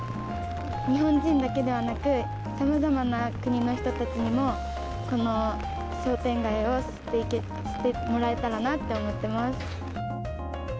日本人だけではなく、さまざまな国の人たちにも、この商店街を知ってもらえたらなって思ってます。